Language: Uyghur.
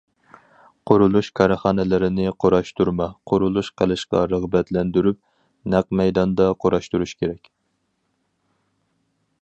قۇرۇلۇش كارخانىلىرىنى قۇراشتۇرما قۇرۇلۇش قىلىشقا رىغبەتلەندۈرۈپ، نەق مەيداندا قۇراشتۇرۇش كېرەك.